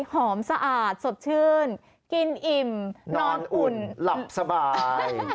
สะอาดสดชื่นกินอิ่มนอนอุ่นหลับสบาย